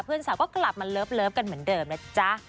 เพื่อนสาวก็กลับมาเลิฟกันเหมือนเดิมนะจ๊ะ